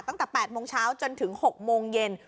ตั้งแต่๘โมงเช้าจนถึง๖โมงเย็น